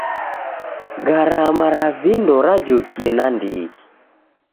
Gharama ra vindo rajokie nandighi.